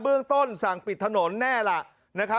เรื่องต้นสั่งปิดถนนแน่ล่ะ